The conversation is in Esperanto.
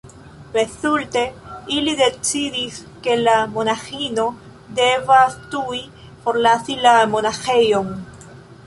Rezulte ili decidis, ke la monaĥino devas tuj forlasi la monaĥejon.